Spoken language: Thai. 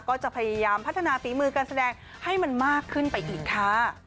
ก็จะพยายามพัฒนาฝีมือการแสดงให้มันมากขึ้นไปอีกค่ะ